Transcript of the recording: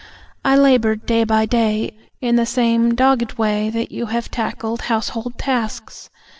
I laboured day by day In the same dogged way That you have tackled household tasks.